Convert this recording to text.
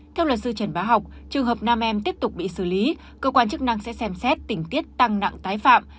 theo luật sư trần bá học trường hợp nam em tiếp tục bị xử lý cơ quan chức năng sẽ xem xét tình tiết tăng nặng tái phạm